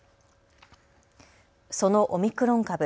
そのオミクロン株。